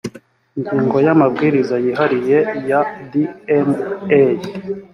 ingingo ya amabwiriza yihariye ya dma